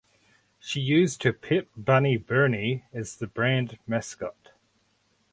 She used her pet bunny Bernie as the brand mascot.